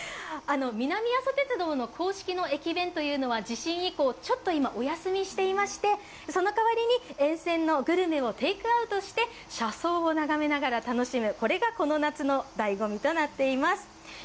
南阿蘇鉄道の公式の駅弁は地震以降ちょっと今お休みしていましてその代わりに沿線のグルメをテークアウトして車窓を眺めながら楽しむこれがこの夏のだいご味となっています。